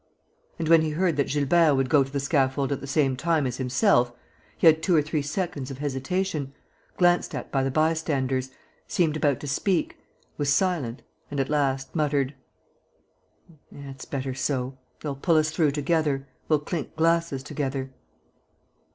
And, when he heard that Gilbert would go to the scaffold at the same time as himself, he had two or three seconds of hesitation, glanced at the bystanders, seemed about to speak, was silent and, at last, muttered: "It's better so.... They'll pull us through together ... we'll clink glasses together."